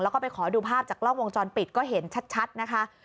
แล้วก็ไปขอดูภาพจากกล้องวงจรปิดก็เห็นชัดนะคะ